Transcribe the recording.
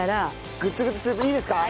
グツグツスープいいですか？